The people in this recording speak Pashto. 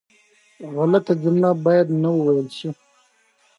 ژورې سرچینې د افغانستان د شنو سیمو یوه طبیعي او ښکلې ښکلا ده.